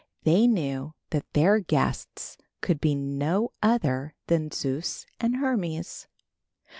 They knew that their guests could be no other than Zeus and Hermes.